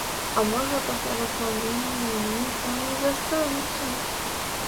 А можа, пасля выпраўлення яны там і застануцца?